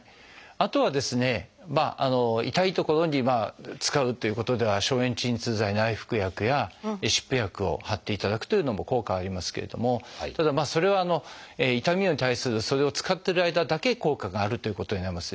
あとはですね痛い所に使うということでは消炎鎮痛剤内服薬や湿布薬を貼っていただくというのも効果はありますけれどただそれは痛みに対するそれを使ってる間だけ効果があるということになります。